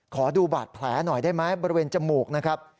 ขอดูบาดแผลหน่อยได้ไหมบริเวณจมูกนะครับ